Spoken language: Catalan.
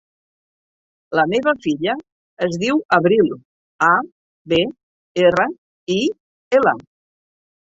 La meva filla es diu Abril: a, be, erra, i, ela.